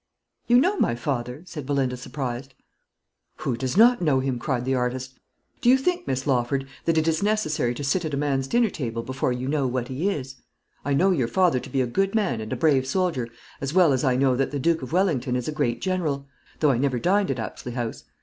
"You know my father?" said Belinda, surprised. "Who does not know him?" cried the artist. "Do you think, Miss Lawford, that it is necessary to sit at a man's dinner table before you know what he is? I know your father to be a good man and a brave soldier, as well as I know that the Duke of Wellington is a great general, though I never dined at Apsley House.